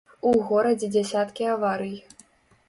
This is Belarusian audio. У горадзе дзясяткі аварый.